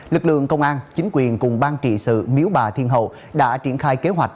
lực lượng công an chính quyền cùng ban trị sự miếu bà thiên hậu đã triển khai kế hoạch